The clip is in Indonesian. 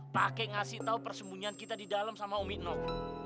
pake ngasih tau persembunyian kita di dalam sama umi nok